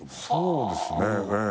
そうですね。